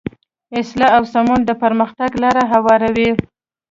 اصلاح او سمون د پرمختګ لاره هواروي.